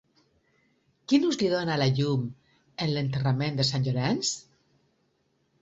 Quin ús li dona a la llum en l'Enterrament de sant Llorenç?